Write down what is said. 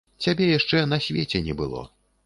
Цябе яшчэ на свеце не было.